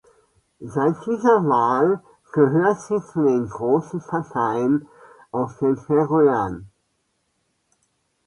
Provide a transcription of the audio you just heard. Seit dieser Wahl gehört sie zu den großen Parteien auf den Färöern.